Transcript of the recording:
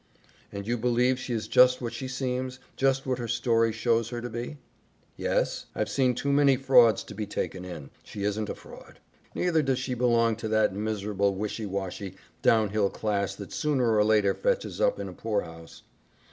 "And you believe she is just what she seems just what her story shows her to be?" "Yes. I've seen too many frauds to be taken in. She isn't a fraud. Neither does she belong to that miserable, wishy washy, downhill class that sooner or later fetches up in a poorhouse.